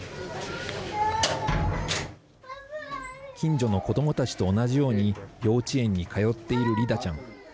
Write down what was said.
近所の子どもたちと同じように幼稚園に通っているリダちゃん。